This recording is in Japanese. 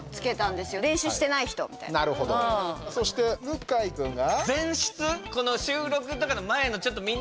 そして、向井君が？